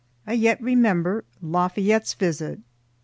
I yet remember Lafayette's visit.